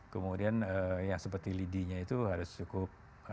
kemudian yang seperti lidinya itu harus cukup